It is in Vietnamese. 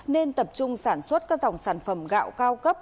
nên tập trung sản xuất các dòng sản phẩm gạo cao cấp